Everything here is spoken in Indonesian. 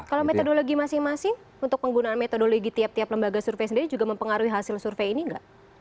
kalau metodologi masing masing untuk penggunaan metodologi tiap tiap lembaga survei sendiri juga mempengaruhi hasil survei ini nggak